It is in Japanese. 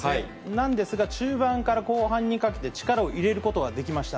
なんですが、中盤から後半にかけて力を入れることはできました。